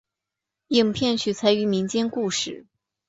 影片取材于民间故事。